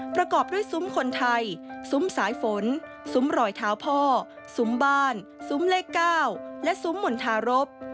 ประกอบด้วยซุ้มคนไทยซุ้มสายฝนซุ้มรอยเท้าพ่อซุ้มบ้านซุ้มเลข๙และซุ้มหม่นทารก